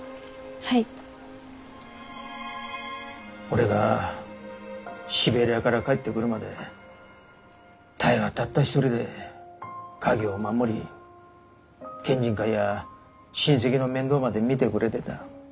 俺がシベリアから帰ってくるまで多江はたった一人で家業を守り県人会や親戚の面倒まで見てくれてた。